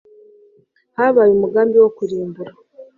habaye umugambi wo kurimbura